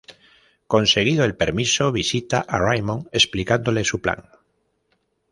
Conseguido el permiso, visita a Raymond explicándole su plan.